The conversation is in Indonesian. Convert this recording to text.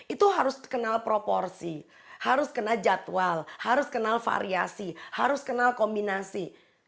itu harus kenal proporsi harus kenal jadwal harus kenal variasi harus kenal kombinasi